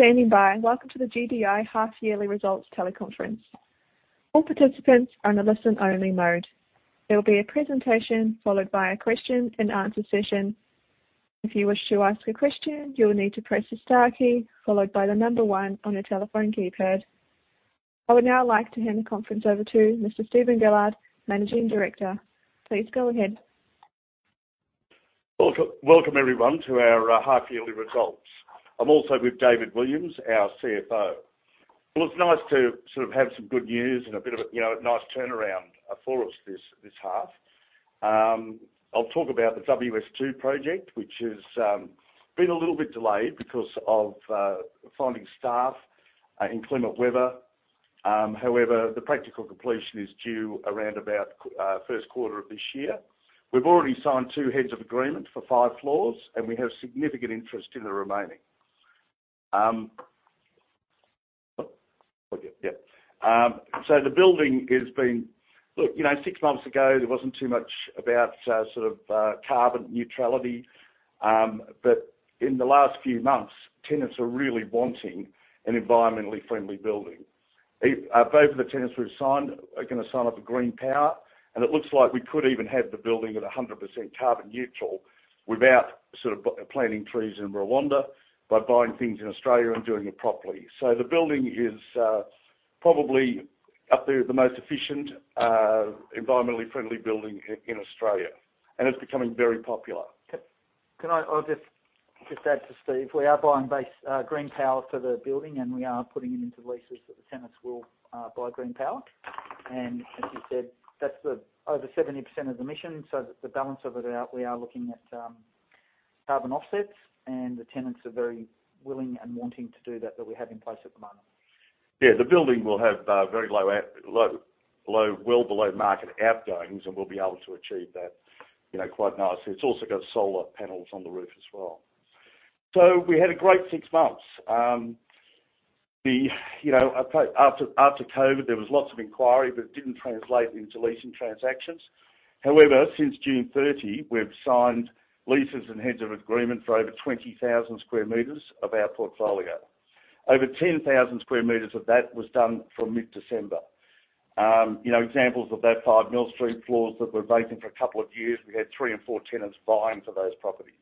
Thank you for standing by, and welcome to the GDI half yearly results teleconference. All participants are in a listen only mode. There will be a presentation followed by a question and answer session. If you wish to ask a question, you will need to press the star key followed by the number one on your telephone keypad. I would now like to hand the conference over to Mr. Steven Gillard, Managing Director. Please go ahead. Welcome, welcome everyone to our half yearly results. I'm also with David Williams, our CFO. Well, it's nice to sort of have some good news and a bit of a, you know, nice turnaround for us this half. I'll talk about the WS2 project, which has been a little bit delayed because of finding staff, inclement weather. However, the practical completion is due around about first quarter of this year. We've already signed two heads of agreement for five floors, and we have significant interest in the remaining. Oh, yeah. Yeah. The building is being. Look, you know, six months ago there wasn't too much about sort of carbon neutrality. In the last few months, tenants are really wanting an environmentally friendly building. Both of the tenants we've signed are gonna sign up for green power. It looks like we could even have the building at 100% carbon neutral without sort of planting trees in Rwanda, by buying things in Australia and doing it properly. The building is probably up there with the most efficient, environmentally friendly building in Australia, and it's becoming very popular. Can I add to Steve. We are buying base green power for the building, and we are putting it into leases that the tenants will buy green power. As you said, that's the over 70% of the mission. The balance of it, we are looking at carbon offsets, and the tenants are very willing and wanting to do that we have in place at the moment. Yeah. The building will have, very low, well below market outgoings, and we'll be able to achieve that, you know, quite nicely. It's also got solar panels on the roof as well. We had a great six months. The, you know, I'd say after COVID, there was lots of inquiry, but it didn't translate into leasing transactions. However, since June 30, we've signed leases and heads of agreement for over 20,000 square meters of our portfolio. Over 10,000 square meters of that was done from mid-December. You know, examples of that five Mill Street floors that were vacant for a couple of years, we had three and four tenants vying for those properties.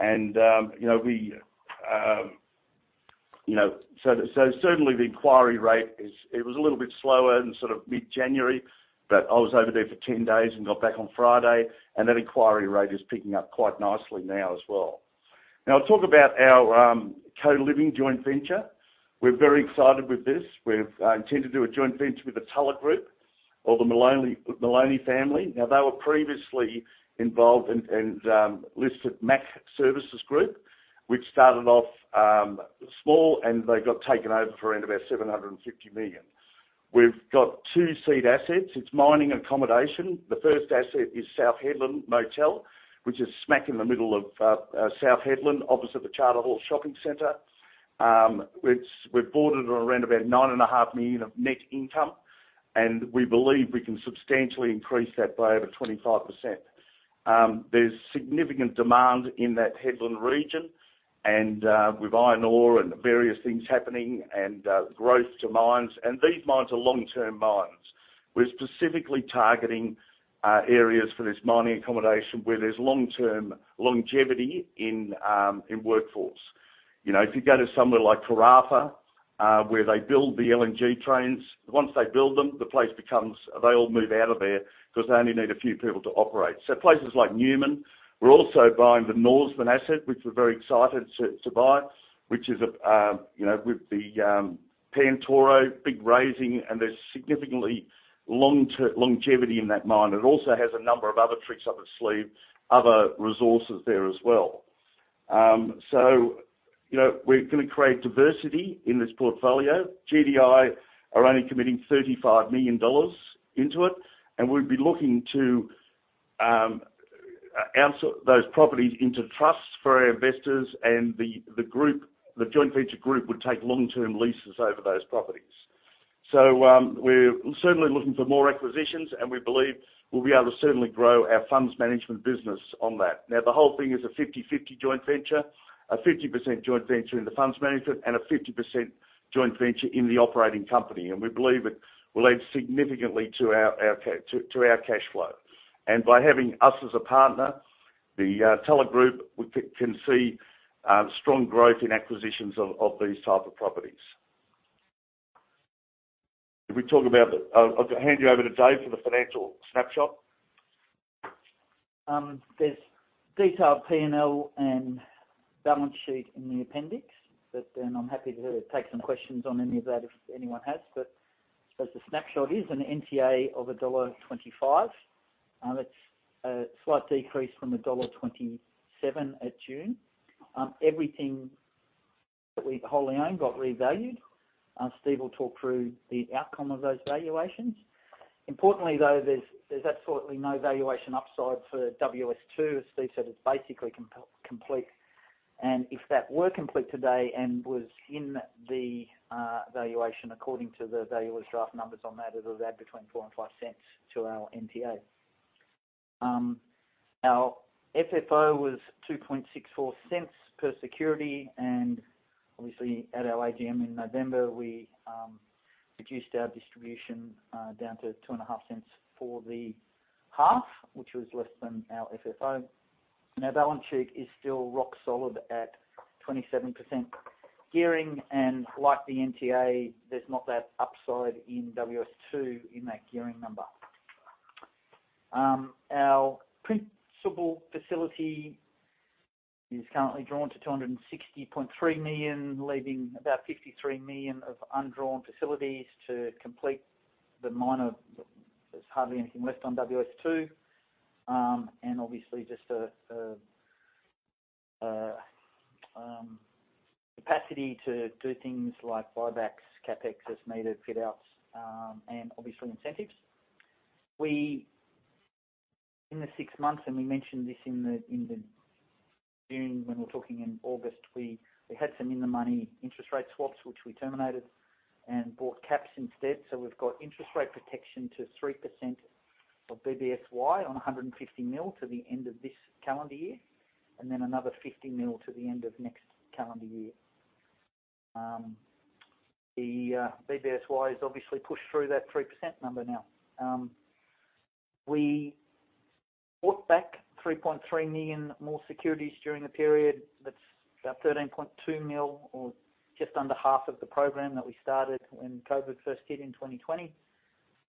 You know, we, you know certainly the inquiry rate is, it was a little bit slower in sort of mid-January. I was over there for 10 days and got back on Friday, and that inquiry rate is picking up quite nicely now as well. I'll talk about our co-living joint venture. We're very excited with this. We've intend to do a joint venture with the Tulla Group or the Maloney family. They were previously involved in listed The MAC Services Group, which started off small, and they got taken over for around about $750 million. We've got two seed assets. It's mining accommodation. The first asset is South Hedland Motel, which is smack in the middle of South Hedland, opposite the Charter Hall Shopping Center. We've bought it at around about $9.5 million of net income, and we believe we can substantially increase that by over 25%. There's significant demand in that Hedland region and with iron ore and various things happening and growth to mines, and these mines are long-term mines. We're specifically targeting areas for this mining accommodation where there's long-term longevity in workforce. You know, if you go to somewhere like Karratha, where they build the LNG trains, once they build them, they all move out of there because they only need a few people to operate. Places like Newman. We're also buying the Norseman asset, which we're very excited to buy, which is a, you know, with the Pantoro big raising, and there's significantly longevity in that mine. It also has a number of other tricks up its sleeve, other resources there as well. You know, we're gonna create diversity in this portfolio. GDI are only committing 35 million dollars into it, we'd be looking to out those properties into trusts for our investors and the group, the joint venture group would take long-term leases over those properties. We're certainly looking for more acquisitions, and we believe we'll be able to certainly grow our funds management business on that. The whole thing is a 50/50 joint venture, a 50% joint venture in the funds management, and a 50% joint venture in the operating company. We believe it will add significantly to our cash flow. By having us as a partner, the Tulla Group we can see strong growth in acquisitions of these type of properties. I'll hand you over to Dave for the financial snapshot. There's detailed P&L and balance sheet in the appendix. I'm happy to take some questions on any of that if anyone has. I suppose the snapshot is an NTA of dollar 1.25. It's a slight decrease from dollar 1.27 at June. Everything that we wholly own got revalued. Steve will talk through the outcome of those valuations. Importantly, though, there's absolutely no valuation upside for WS2. As Steve said, it's basically comp-complete. If that were complete today and was in the valuation according to the valuer's draft numbers on that, it would add between 0.04 and 0.05 to our NTA. Our FFO was 0.0264 per security, obviously at our AGM in November, we reduced our distribution down to 0.025 for the half, which was less than our FFO. Our balance sheet is still rock solid at 27% gearing. Like the NTA, there's not that upside in WS2 in that gearing number. Our principal facility is currently drawn to 260.3 million, leaving about 53 million of undrawn facilities to complete the minor. There's hardly anything left on WS2. Obviously just capacity to do things like buybacks, CapEx as needed, fit outs, and obviously incentives. In the six months, and we mentioned this in the June when we were talking in August, we had some in-the-money interest rate swaps, which we terminated and bought caps instead. We've got interest rate protection to 3% of BBSY on 150 million to the end of this calendar year, and then another 50 million to the end of next calendar year. The BBSY has obviously pushed through that 3% number now. We bought back 3.3 million more securities during the period. That's about 13.2 million or just under half of the program that we started when COVID first hit in 2020.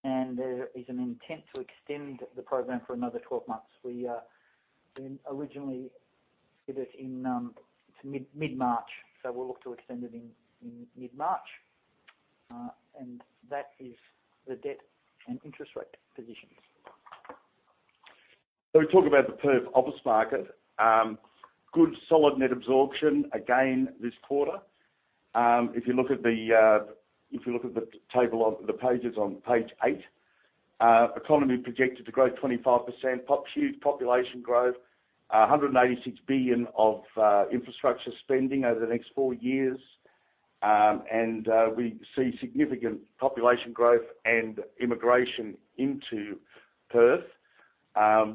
There is an intent to extend the program for another 12 months. We originally did it in mid-March, so we'll look to extend it in mid-March. That is the debt and interest rate positions. We talk about the Perth office market. Good solid net absorption again this quarter. If you look at the pages on page eight, economy projected to grow 25%, huge population growth, 186 billion of infrastructure spending over the next four years. We see significant population growth and immigration into Perth,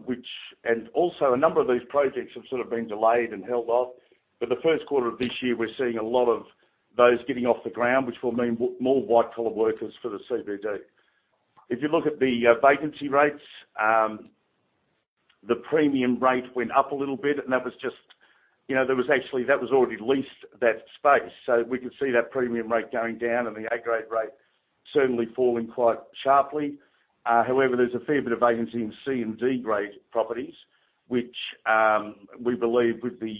which... A number of these projects have sort of been delayed and held off. The first quarter of this year, we're seeing a lot of those getting off the ground, which will mean more white-collar workers for the CBD. If you look at the vacancy rates, the premium rate went up a little bit, and that was just, you know, there was actually that was already leased that space. We could see that premium rate going down and the A-grade rate certainly falling quite sharply. However, there's a fair bit of vacancy in C and D-grade properties, which we believe with the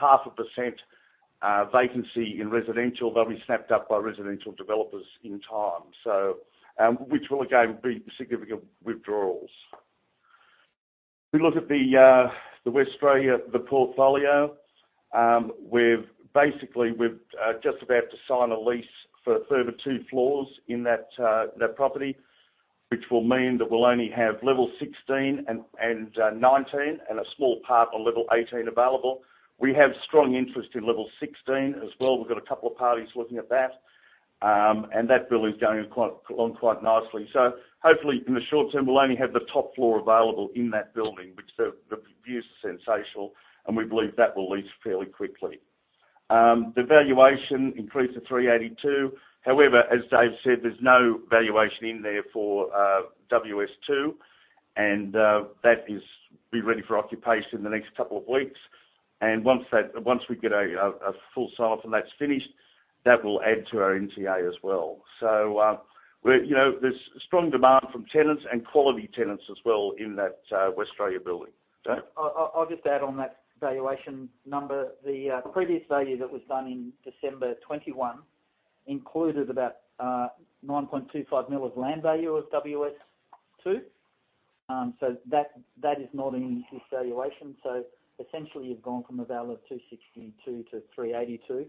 0.5% vacancy in residential, they'll be snapped up by residential developers in time. Which will again be significant withdrawals. If we look at the Westralia, the portfolio, we've basically just about to sign a lease for a further two floors in that property, which will mean that we'll only have level 16 and 19 and a small part of level 18 available. We have strong interest in level 16 as well. We've got a couple of parties looking at that. That building's going quite along quite nicely. Hopefully, in the short term, we'll only have the top floor available in that building, which the views are sensational, and we believe that will lease fairly quickly. The valuation increased to 382 million. However, as David said, there's no valuation in there for WS2, and be ready for occupation in the next couple of weeks. Once we get a full sign-off and that's finished, that will add to our NTA as well. We're, you know, there's strong demand from tenants and quality tenants as well in that Westralia building. David? I'll just add on that valuation number. The previous value that was done in December 2021 included about 9.25 million of land value of WS2. That is not in this valuation. Essentially, you've gone from a val of 262 million-382 million.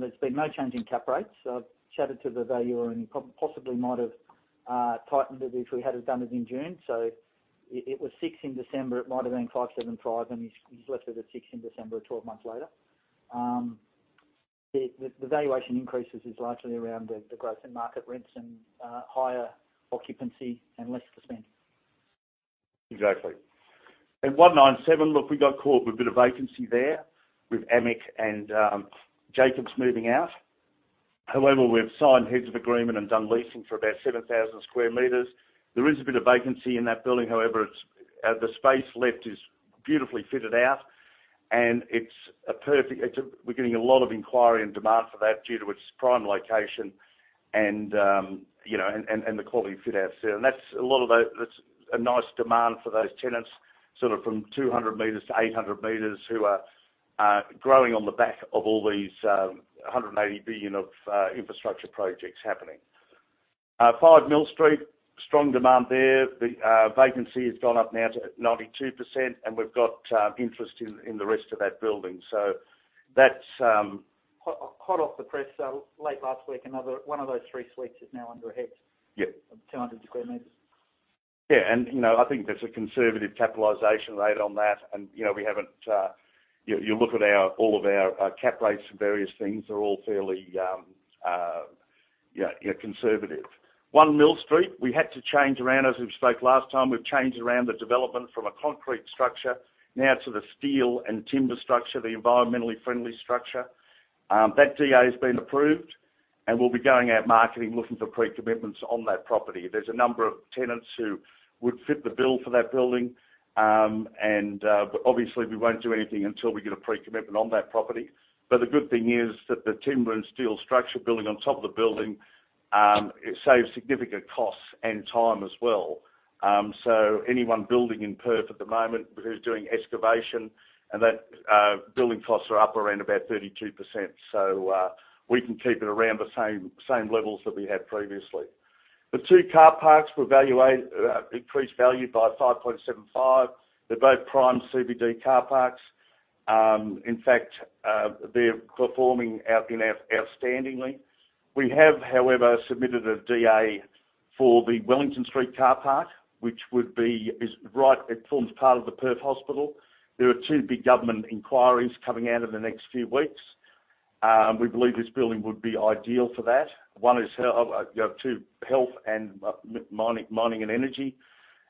There's been no change in cap rates. I've chatted to the valuer, and he possibly might have tightened it if we had of done it in June. It was 6% in December. It might have been 5.75%, and he's left it at 6% in December, 12 months later. The valuation increases is largely around the growth in market rents and higher occupancy and less for spend. Exactly. At 197, look, we got caught with a bit of vacancy there with AMIC and Jacobs moving out. However, we've signed heads of agreement and done leasing for about 7,000 square meters. There is a bit of vacancy in that building, however, the space left is beautifully fitted out, and it's a perfect. We're getting a lot of inquiry and demand for that due to its prime location and, you know, and the quality of fit outs there. That's a lot of those. That's a nice demand for those tenants, sort of from 200 m to 800 m, who are growing on the back of all these 180 billion of infrastructure projects happening. 5 Mill Street, strong demand there. The vacancy has gone up now to 92%. We've got interest in the rest of that building. That's. Hot off the press, late last week, another, one of those three suites is now under heads. Yeah. 200 square meters. Yeah. You know, I think there's a conservative capitalization rate on that. You know, we haven't. You look at our, all of our, cap rates for various things are all fairly conservative. 1 Mill Street, we had to change around, as we spoke last time. We've changed around the development from a concrete structure now to the steel and timber structure, the environmentally friendly structure. That DA has been approved, and we'll be going out marketing, looking for pre-commitments on that property. There's a number of tenants who would fit the bill for that building. Obviously, we won't do anything until we get a pre-commitment on that property. The good thing is that the timber and steel structure building on top of the building, it saves significant costs and time as well. Anyone building in Perth at the moment who's doing excavation and that, building costs are up around about 32%. We can keep it around the same levels that we had previously. The two car parks were increased value by 5.75. They're both prime CBD car parks. In fact, they're performing out, you know, outstandingly. We have, however, submitted a DA for the Wellington Street car park, which would be, it forms part of the Perth Hospital. There are two big government inquiries coming out in the next few weeks. We believe this building would be ideal for that. One is, you have two, health and mining and energy.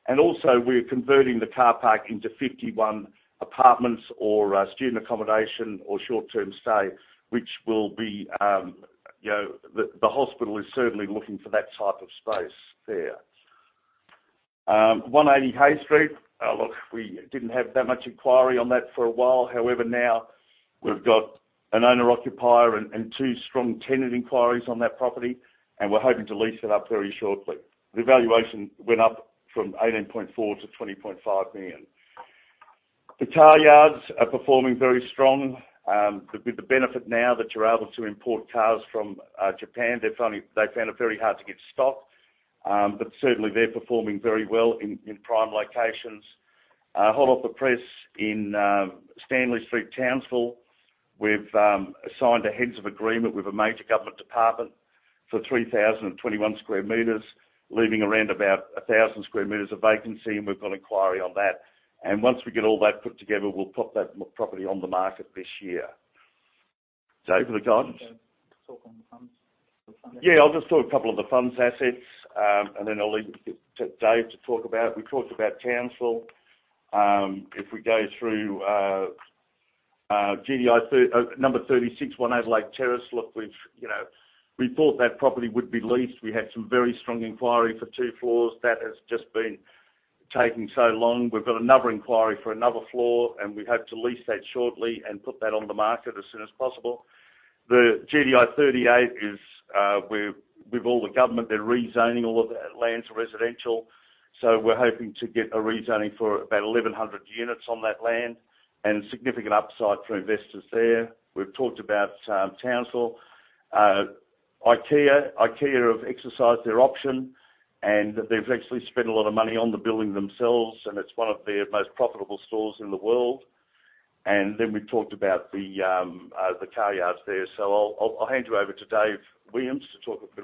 Also, we're converting the car park into 51 apartments or student accommodation or short-term stay, which will be, you know. The hospital is certainly looking for that type of space there. 180 Hay Street. Look, we didn't have that much inquiry on that for a while. Now we've got an owner-occupier and two strong tenant inquiries on that property, and we're hoping to lease it up very shortly. The valuation went up from 18.4 million-20.5 million. The car yards are performing very strong. With the benefit now that you're able to import cars from Japan, they found it very hard to get stock. Certainly, they're performing very well in prime locations. Hot off the press in Stanley Street, Townsville, we've signed a heads of agreement with a major government department for 3,021 square meters, leaving around about 1,000 square meters of vacancy, and we've got inquiry on that. Once we get all that put together, we'll pop that property on the market this year. Dave, want to go on? Talk on the funds. The funding. I'll just talk a couple of the funds assets, and then I'll leave it to Dave to talk about. We talked about Townsville. If we go through GDI Number 36, 108 Lake Terrace. You know, we thought that property would be leased. We had some very strong inquiry for two floors. That has just been taking so long. We've got another inquiry for another floor, we hope to lease that shortly and put that on the market as soon as possible. The GDI 38 is, we're with all the government. They're rezoning all of that land to residential. We're hoping to get a rezoning for about 1,100 units on that land and significant upside for investors there. We've talked about Townsville. IKEA. IKEA have exercised their option, and they've actually spent a lot of money on the building themselves, and it's one of their most profitable stores in the world. Then we've talked about the car yards there. I'll hand you over to Dave Williams to talk a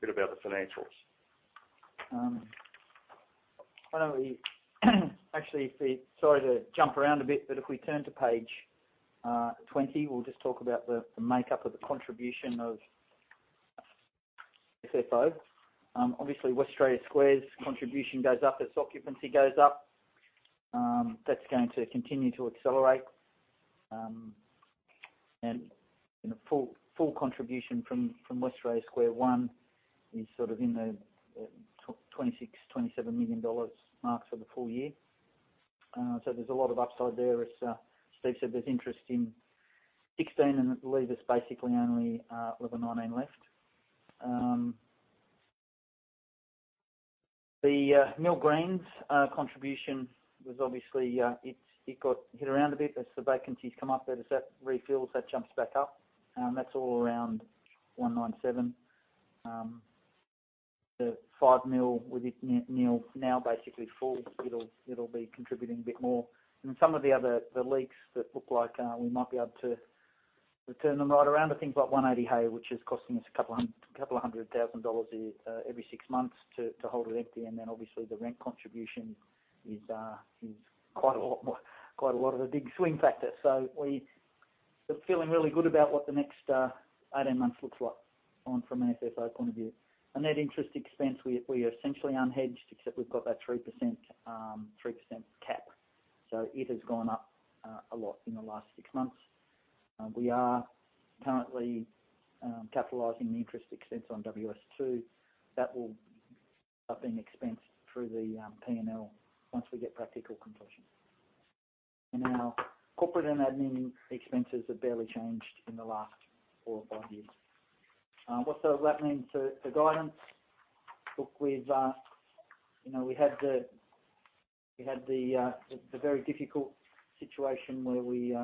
bit about the financials. Why don't we actually Sorry to jump around a bit, but if we turn to page 20, we'll just talk about the makeup of the contribution of FFO. Obviously, Westralia Square's contribution goes up as occupancy goes up. That's going to continue to accelerate. Full contribution from Westralia Square One is sort of in the 26 million dollars, 27 million dollars marks for the full year. There's a lot of upside there. As Steve said, there's interest in 16, and I believe it's basically only level 19 left. The Mill Green's contribution was obviously it got hit around a bit as the vacancy's come up. As that refills, that jumps back up, and that's all around 197. The 5 million with it, Mill now basically full, it'll be contributing a bit more. Some of the other, the leaks that look like we might be able to turn them right around are things like 180 Hay, which is costing us 200,000 dollars every six months to hold it empty. Obviously, the rent contribution is quite a lot more, quite a lot of a big swing factor. We are feeling really good about what the next 18 months looks like on from an FFO point of view. On net interest expense, we are essentially unhedged, except we've got that 3% cap. It has gone up a lot in the last six months. We are currently capitalizing the interest expense on WS2. That will start being expensed through the P&L once we get practical completion. Our corporate and admin expenses have barely changed in the last four or five years. What does that mean for guidance? Look, we've, you know, we had the very difficult situation where we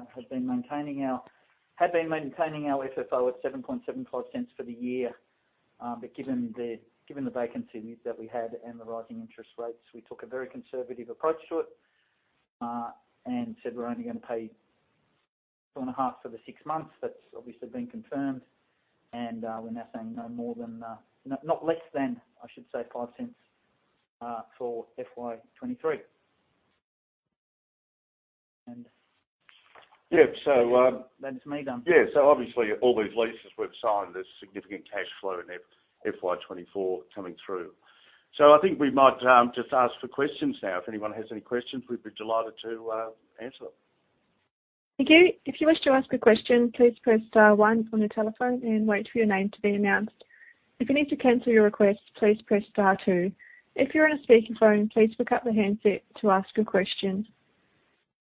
had been maintaining our FFO at 0.0775 for the year. Given the vacancy that we had and the rising interest rates, we took a very conservative approach to it and said we're only gonna pay two and a half for the six months. That's obviously been confirmed, and we're now saying no more than, not less than, I should say, 0.05, for FY 2023 Yeah. That's me done. Yeah. Obviously all these leases we've signed, there's significant cash flow in FY 2024 coming through. I think we might just ask for questions now. If anyone has any questions, we'd be delighted to answer them. Thank you. If you wish to ask a question, please press star one on your telephone and wait for your name to be announced. If you need to cancel your request, please press star two. If you're on a speakerphone, please pick up the handset to ask your question.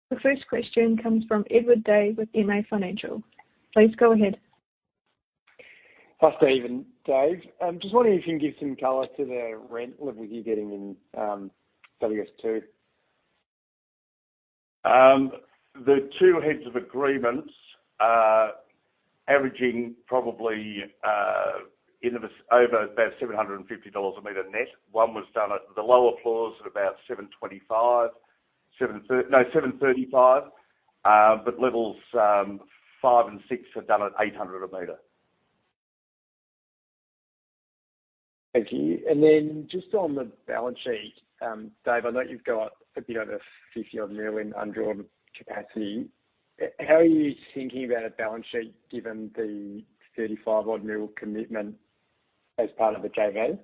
The first question comes from Edward Day with MA Financial. Please go ahead. Hi, Steve and Dave. Just wondering if you can give some color to the rent levels you're getting in, WS2. The two heads of agreements are averaging probably, over about $750 a meter net. One was done at the lower floors at about $725, $735. Levels five and six are done at $800 a meter. Thank you. Just on the balance sheet, Dave, I know you've got a bit over 50 odd mil in undrawn capacity. How are you thinking about a balance sheet given the 35 odd mil commitment as part of the JV?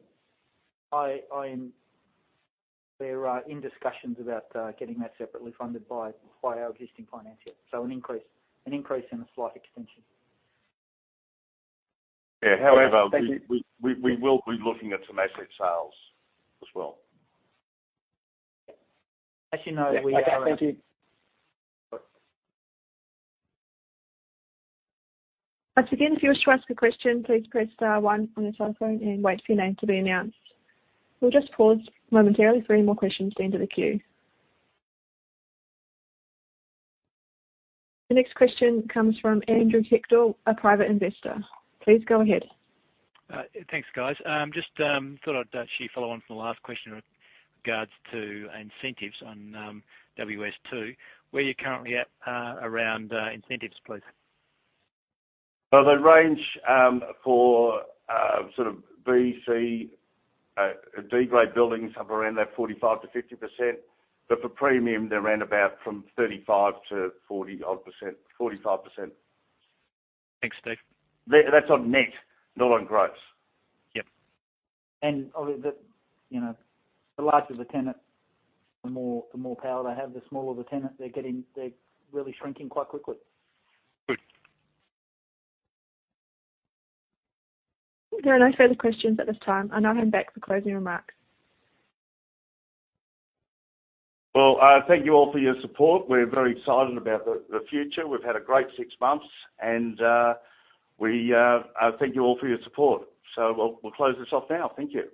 We're in discussions about getting that separately funded by our existing financier. An increase and a slight extension. Yeah. Thank you. We will be looking at some asset sales as well. As you know, we are... Okay, thank you. All right. Once again, if you wish to ask a question, please press star one on your telephone and wait for your name to be announced. We'll just pause momentarily for any more questions to enter the queue. The next question comes from [Andrew Hechtle], a private investor. Please go ahead. Thanks, guys. Just thought I'd see follow on from the last question with regards to incentives on WS2. Where are you currently at around incentives, please? The range, for, sort of B, C, D grade buildings somewhere around that 45%-50%. For premium they're around about from 35%-40% odd, 45%. Thanks, Steve. That's on net, not on gross. Yep. Obviously, you know, the larger the tenant, the more power they have, the smaller the tenant, they're really shrinking quite quickly. Good. There are no further questions at this time. I now hand back for closing remarks. Well, thank you all for your support. We're very excited about the future. We've had a great six months, and we thank you all for your support. We'll close this off now. Thank you.